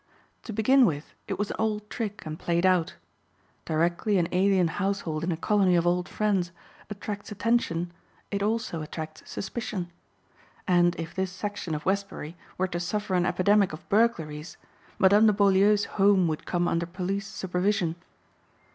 To begin with it was an old trick and played out. Directly an alien household in a colony of old friends attracts attention it also attracts suspicion. And if this section of Westbury were to suffer an epidemic of burglaries Madame de Beaulieu's home would come under police supervision.